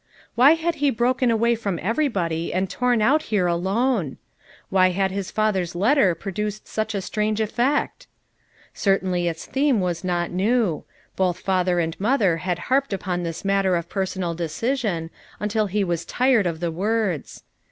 Why had he broken away from everybody and torn out here alone? Why had his father's letter produced such a strange ef fect? Certainly its theme was not new; both father and mother had harped upon this matter of personal decision, until he was tired of the words.